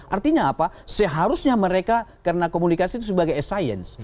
artinya apa seharusnya mereka karena komunikasi itu sebagai science